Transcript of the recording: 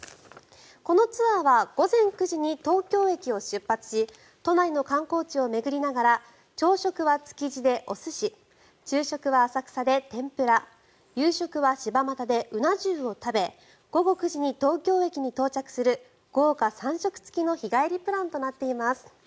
このツアーは午前９時に東京駅を出発し都内の観光地を巡りながら朝食は築地でお寿司昼食は浅草で天ぷら夕食は柴又でうな重を食べ午後９時に東京駅に到着する豪華３食付きの日帰りプランとなっています。